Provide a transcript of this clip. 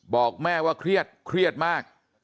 บอกแม่ว่าเครียดเครียดมาก